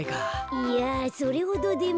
いやそれほどでも。